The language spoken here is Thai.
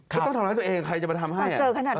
ไม่ต้องทำร้ายตัวเองใครจะมาทำให้